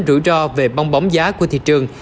rủi ro về bong bóng giá của thị trường